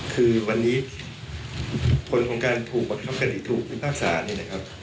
คือวันนี้ผลของการถูกบังคับคดีถูกพิพากษาเนี่ยนะครับ